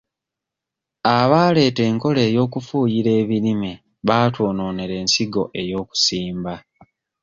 Abaaleeta enkola ey'okufuuyira ebirime baatwonoonera ensigo ey'okusimba.